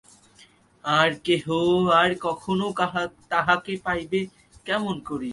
আর-কেহ আর-কখনো তাহাকে পাইবে কেমন করিয়া?